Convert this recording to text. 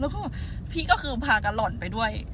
แล้วก็พี่ก็คือพากะหล่อนไปด้วย